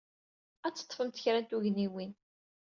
Ad d-teḍḍfemt kra n tugniwin.